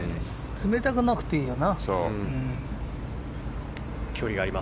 冷たくなくていいよな。